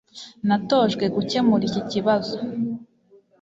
natojwe gukemura iki kibazo